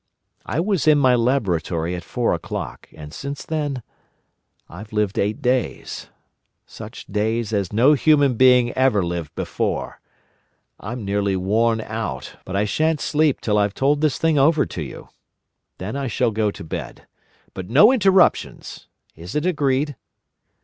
I was in my laboratory at four o'clock, and since then … I've lived eight days … such days as no human being ever lived before! I'm nearly worn out, but I shan't sleep till I've told this thing over to you. Then I shall go to bed. But no interruptions! Is it agreed?"